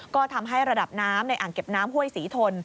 ก็ทำให้ระดับน้ำในอ่างเก็บน้ำห้วยศรีทน